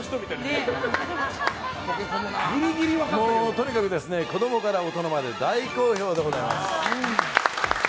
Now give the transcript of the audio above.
とにかく子供から大人まで大好評でございます。